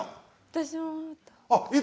私も。